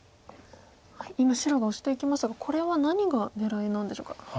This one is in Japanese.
今白がオシていきましたがこれは何が狙いなんでしょうか？